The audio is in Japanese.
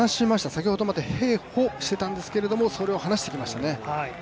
先ほどまで並歩してたんですけど、それを離してきましたね。